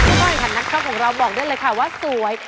ทุกคนค่ะนักชอบของเราบอกได้เลยค่ะว่าสวย